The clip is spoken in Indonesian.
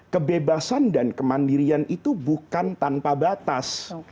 kebebasan dan kemandirian itu bukan tanpa batas